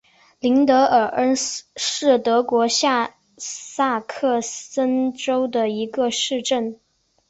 林德尔恩是德国下萨克森州的一个市镇。